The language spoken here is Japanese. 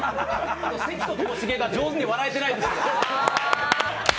関とともしげが上手に笑えてないです。